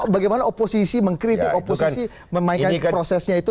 bagaimana oposisi mengkritik oposisi memainkan prosesnya itu